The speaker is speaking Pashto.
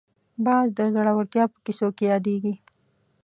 باز د زړورتیا په کیسو کې یادېږي